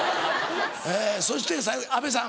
えそして最後阿部さん